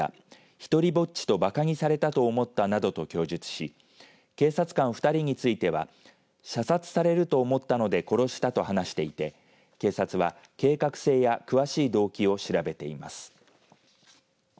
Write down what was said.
ひとりぼっちとばかにされたと思ったなどと供述し警察官２人については射殺されると思ったので殺したと話していて警察は、計画性や詳しい動機を調べています。